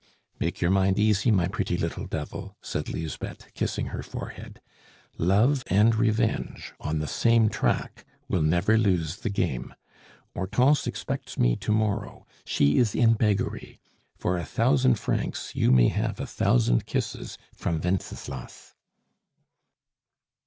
"Make your mind easy, my pretty little devil!" said Lisbeth, kissing her forehead. "Love and Revenge on the same track will never lose the game. Hortense expects me to morrow; she is in beggary. For a thousand francs you may have a thousand kisses from Wenceslas."